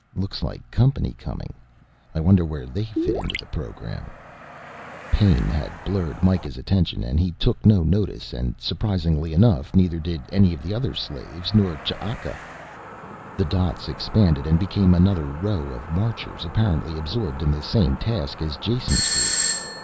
"Looks like company coming. I wonder where they fit into the program?" Pain had blurred Mikah's attention and he took no notice and, surprisingly enough, neither did any of the other slaves nor Ch'aka. The dots expanded and became another row of marchers, apparently absorbed in the same task as Jason's group.